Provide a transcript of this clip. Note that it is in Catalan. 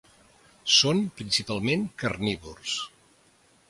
Són principalment carnívors.